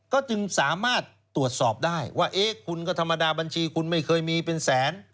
ก็จึงสามารถตรวจสอบได้ว่าเอ๊ะคุณก็ธรรมดาบัญชีคุณไม่เคยมีเป็นแสน